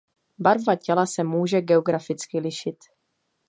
Barva těla se může geograficky lišit.